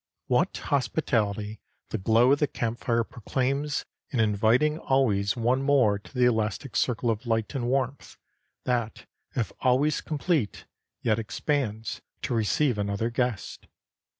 What hospitality the glow of the camp fire proclaims in inviting always one more to the elastic circle of light and warmth, that if always complete, yet expands to receive another guest.